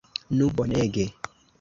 Nu, bonege!